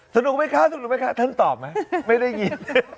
สนุกไหมคะท่านตอบไหมไม่ได้ยิน